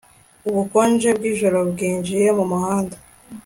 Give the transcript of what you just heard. Ubukonje bwijoro bwinjiye mumuhanda